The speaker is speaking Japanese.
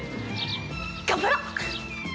頑張ろう！